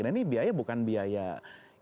nah ini biaya bukan biaya yang naik